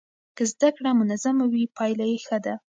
که زده کړه منظمه وي پایله یې ښه ده.